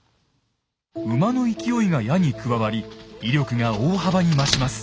馬の勢いが矢に加わり威力が大幅に増します。